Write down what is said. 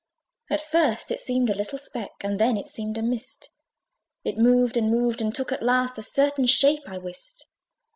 At first it seemed a little speck, And then it seemed a mist: It moved and moved, and took at last A certain shape, I wist.